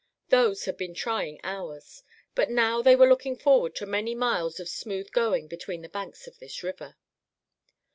Those had been trying hours; but now they were looking forward to many miles of smooth going between the banks of this river.